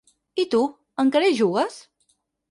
I tu, encara hi jugues?